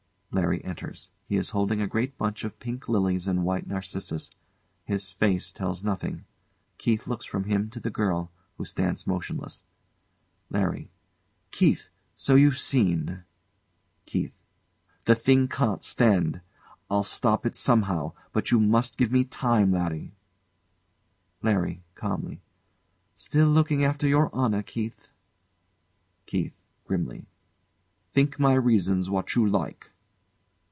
LARRY enters. He is holding a great bunch of pink lilies and white narcissus. His face tells nothing. KEITH looks from him to the girl, who stands motionless. LARRY. Keith! So you've seen? KEITH. The thing can't stand. I'll stop it somehow. But you must give me time, Larry. LARRY. [Calmly] Still looking after your honour, KEITH! KEITH. [Grimly] Think my reasons what you like.